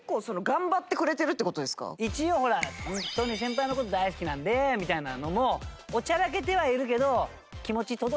一応ほら「ホントに先輩の事大好きなんで」みたいなのもおちゃらけてはいるけど「気持ち届け！」